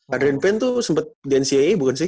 adrian payne tuh sempet di ncaa bukan sih